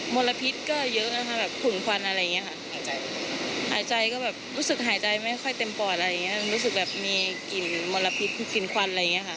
มีตัวเต็มปอดมีกลิ่นมลพิษกลิ่นควัน